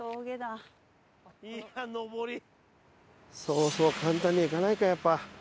そうそう簡単にはいかないかやっぱ。